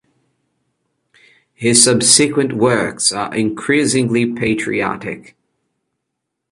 His subsequent works are increasingly patriotic.